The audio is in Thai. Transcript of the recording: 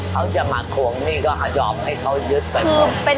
เขาจะมาห่วงนี่ก็ยอมให้เขายึดไปมือคือเป็น